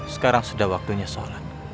sekarang sudah waktunya sholat